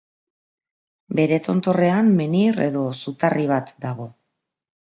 Bere tontorrean menhir edo zutarri bat dago.